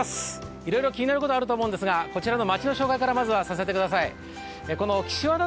いろいろ気になることあると思うんですが、こちらの町の紹介からまずさせてください。